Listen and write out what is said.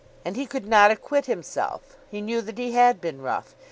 And he could not acquit himself. He knew that he had been rough.